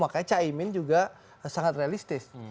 makanya pak chaimin juga sangat realistis